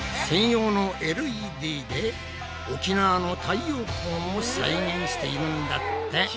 専用のＬＥＤで沖縄の太陽光も再現しているんだって！